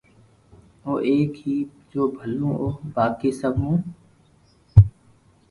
او ايڪ ھي جو ڀلو ھو باقي سب مون